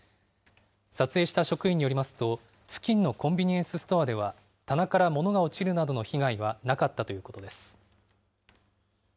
撮影した職員によりますと、付近のコンビニエンスストアでは棚から物が落ちるなどの被害はなかったということです。